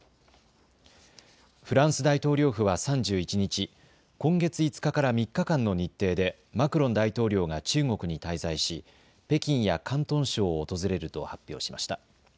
フランス大統領府は３１日、今月５日から３日間の日程でマクロン大統領が中国に滞在し北京や広東省を訪れると発表しました。